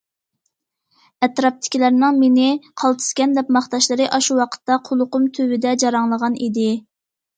ئەتراپتىكىلەرنىڭ مېنى‹‹ قالتىسكەن›› دەپ ماختاشلىرى ئاشۇ ۋاقىتتا قۇلىقىم تۈۋىدە جاراڭلىغان ئىدى.